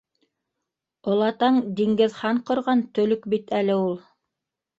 Олатаң Диңгеҙхан ҡорған төлөк бит әле ул.